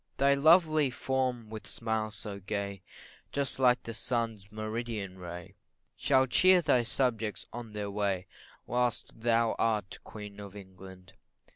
Thy lovely form, with smiles so gay, Just like the sun's meridian ray, Shall cheer thy subjects on their way, Whilst thou art Queen of England.